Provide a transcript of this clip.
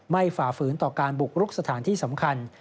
ฝ่าฝืนต่อการบุกรุกสถานที่สำคัญ